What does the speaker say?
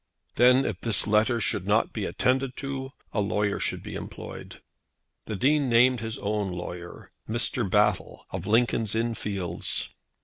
Then, if this letter should not be attended to, a lawyer should be employed. The Dean named his own lawyer, Mr. Battle, of Lincoln's Inn Fields.